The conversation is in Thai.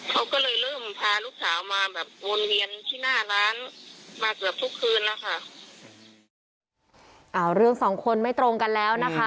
เขาก็เลยเริ่มพาลูกสาวมาแบบวนเวียนที่หน้าร้าน